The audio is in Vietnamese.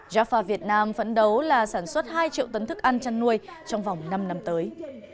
jaffa việt nam phấn đấu là sản xuất hai triệu tấn thức ăn chăn nuôi trong vòng năm năm tới